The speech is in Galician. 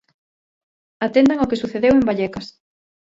Atendan ao que sucedeu en Vallecas.